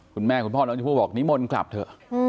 คุณแม่คุณพ่อแล้วจะพูดบอกนิมนต์กลับเถอะ